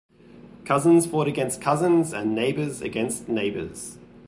Cousins fought against cousins and neighbors against neighbors.